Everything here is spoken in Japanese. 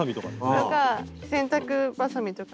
それか洗濯ばさみとか。